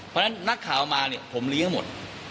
เพราะฉะนั้นนักข่าวมาเนี่ยผมเลี้ยงหมด